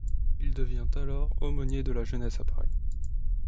Il devient alors aumônier de la jeunesse à Paris.